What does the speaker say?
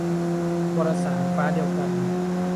วารสาร ฟ้าเดียวกัน